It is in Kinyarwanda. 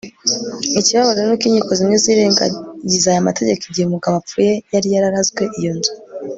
ikibabaje ni uko inkiko zimwe zirengagiza aya mategeko igihe umugabo apfuye yari yararazwe iyo nzu